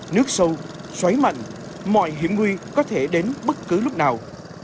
nước sâu xoáy mạnh mọi hiểm nguy có thể đến bất cứ lúc nào